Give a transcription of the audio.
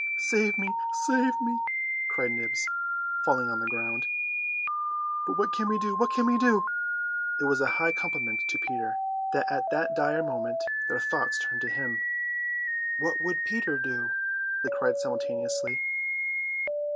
"Save me, save me!" cried Nibs, falling on the ground. "But what can we do, what can we do?" It was a high compliment to Peter that at that dire moment their thoughts turned to him. "What would Peter do?" they cried simultaneously.